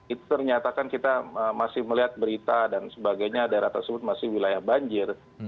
itu ternyata kan kita masih melihat berita dan sebagainya daerah tersebut masih wilayah banjir